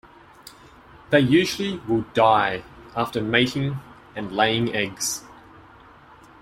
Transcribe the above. They usually will die after mating and laying eggs.